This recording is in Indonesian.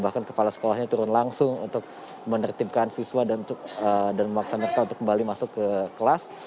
bahkan kepala sekolahnya turun langsung untuk menertibkan siswa dan memaksa mereka untuk kembali masuk ke kelas